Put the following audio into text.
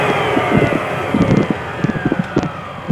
এতে তিন লাখ টাকার ক্ষয়ক্ষতি হয়েছে বলে বাড়ির বাসিন্দারা দাবি করেছেন।